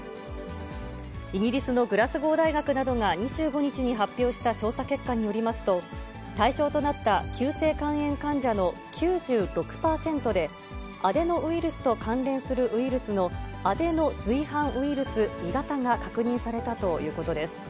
イギリスのグラスゴー大学などが２５日に発表した調査結果によりますと、対象となった急性肝炎患者の９６％で、アデノウイルスと関連するウイルスのアデノ随伴ウイルス２型が確認されたということです。